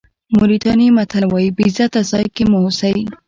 موریتاني متل وایي بې عزته ځای کې مه اوسئ.